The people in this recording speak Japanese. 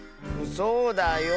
そうだよ。